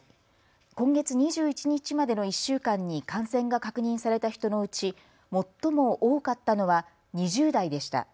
今月２１日までの１週間に感染が確認された人のうち最も多かったのは２０代でした。